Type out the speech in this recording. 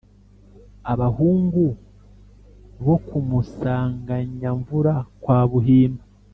abahungu bo ku musanganyamvura wa buhimba